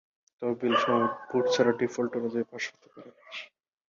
তবে বিল সমূহ ভোট ছাড়া ডিফল্ট অনুযায়ী পাস হতে পারে।